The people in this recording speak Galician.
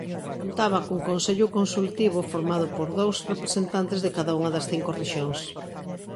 Contaba cun consello consultivo formado por dous representantes de cada unha das cinco rexións.